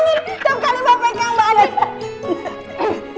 setiap kali mbak pegang mbak aleta